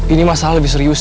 ini masalah lebih serius